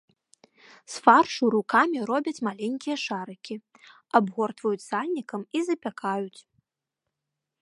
З фаршу рукамі робяць маленькія шарыкі, абгортваюць сальнікам і запякаюць.